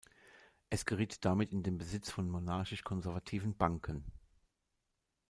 Es geriet damit in den Besitz von monarchisch-konservativen Banken.